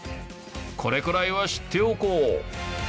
これくらいは知っておこう。